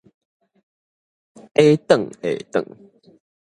矮頓矮頓